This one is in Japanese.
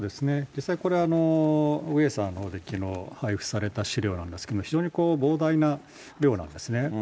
実際これ、荻上さんのほうで配布された資料なんですけれども、非常に膨大な量なんですね。